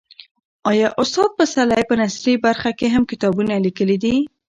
آیا استاد پسرلی په نثري برخه کې هم کتابونه لیکلي دي؟